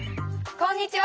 こんにちは。